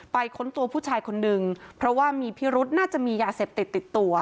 ค้นตัวผู้ชายคนนึงเพราะว่ามีพิรุษน่าจะมียาเสพติดติดตัว